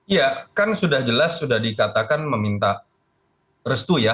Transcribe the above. ya kan sudah jelas sudah dikatakan meminta restu ya